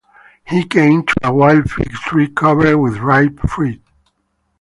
He came to a wild fig tree covered with ripe fruit.